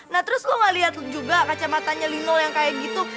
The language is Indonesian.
nah terus lo gak liat juga kacamatanya linol yang kayak gitu